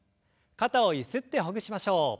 肩をゆすってほぐしましょう。